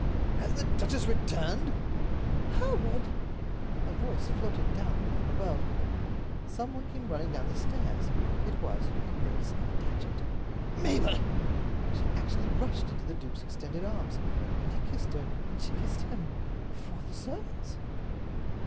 "Has the duchess returned?" "Hereward!" A voice floated downward from above. Some one came running down the stairs. It was her Grace of Datchet. "Mabel!" She actually rushed into the duke's extended arms. And he kissed her, and she kissed him—before the servants.